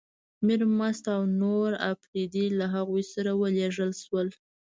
میرمست او نور اپرېدي له هغوی سره ولېږل شول.